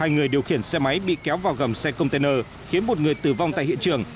hai người điều khiển xe máy bị kéo vào gầm xe container khiến một người tử vong tại hiện trường